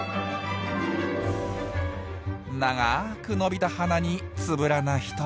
長く伸びた鼻につぶらな瞳。